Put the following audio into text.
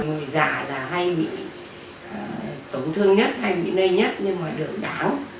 người già hay bị tổn thương nhất hay bị nây nhất nhưng họ đựng đáo